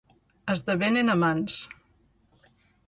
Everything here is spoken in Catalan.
Esdevenen amants.